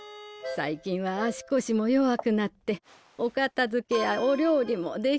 最近は足こしも弱くなってお片づけやお料理もできないの。